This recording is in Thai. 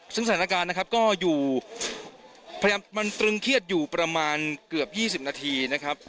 ซึ่งสถานการณ์นะครับก็อยู่พยายามมันตรึงเครียดอยู่ประมาณเกือบ๒๐นาทีนะครับ